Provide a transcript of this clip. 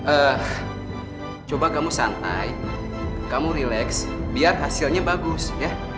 eh coba kamu santai kamu relax biar hasilnya bagus ya